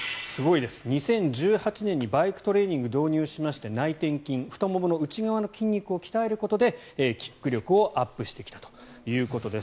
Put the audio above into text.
２０１８年にバイクトレーニングを導入して内転筋を鍛えることでキック力をアップしてきたということです。